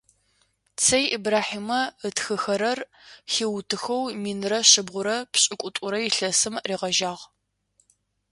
Цэй Ибрахьимэ ытхыхэрэр хиутыхэу минрэ шъибгъурэ пшӏыкӏутӏрэ илъэсым ригъэжьагъ.